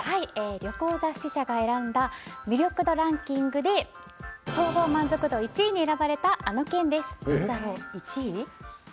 旅行雑誌社で魅力度ランキングで総合満足度１位に選ばれたあの県です。